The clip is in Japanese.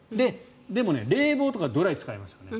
でも、冷房とかドライを使いますよね。